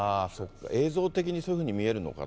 映像的にそういうふうに見えるのかな。